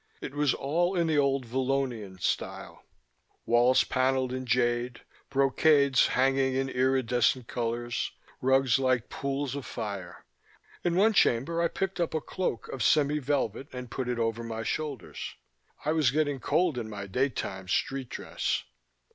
It was all in the old Vallonian style: walls paneled in jade, brocades hangings in iridescent colors, rugs like pools of fire. In one chamber I picked up a cloak of semi velvet and put it over my shoulders; I was getting cold in my daytime street dress.